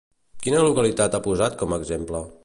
Quina localitat ha posat com a exemple?